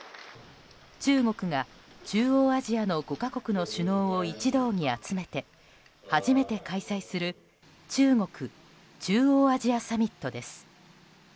中国が中央アジアの５か国の首脳を一同に集めて初めて開催する中国・中央アジアサミットです。